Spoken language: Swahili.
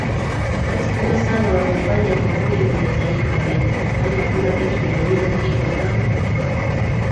kazi kubwa sana wanayofanya Kwakweli wana hitaji pongezi kwani hakuna kitu kinaumiza kichwa kama